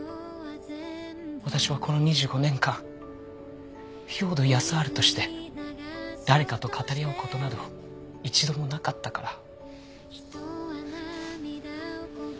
私はこの２５年間兵働耕春として誰かと語り合う事など一度もなかったから。